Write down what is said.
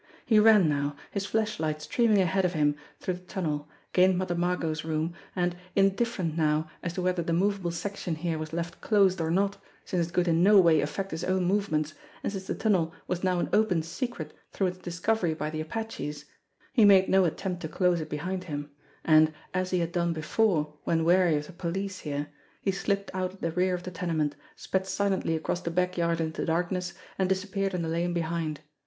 He ran now, his flashlight streaming ahead of him, through the tunnel, gained Mother Margot's room, and, indifferent 288 BLIND PETERS 289 now as to whether the movable section here was left closed or not, since It could in no way affect his own movements, and since the tunnel was now an open secret through its dis covery by the apaches, he made no attempt to close it behind him; and, as he had done before when wary of the police here, he slipped out at the rear of the tenement, sped silently across the backyard in the darkness, and disappeared in the lane behind.